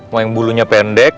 mau yang bulunya pendek